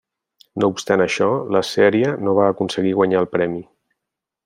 No obstant això, la sèrie no va aconseguir guanyar el premi.